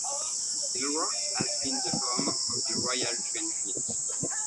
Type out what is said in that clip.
The Works has been the home of the Royal Train fleet.